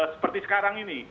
seperti sekarang ini